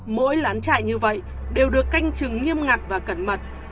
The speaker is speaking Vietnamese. mỗi lán chạy như vậy đều được canh chừng nghiêm ngặt và cẩn mật